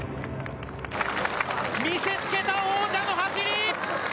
見せつけた王者の走り！